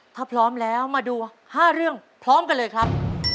ถ้าพร้อมแล้วมาดู๕เรื่องพร้อมกันเลยครับ